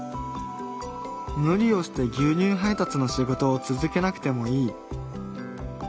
無理をして牛乳配達の仕事を続けなくてもいい。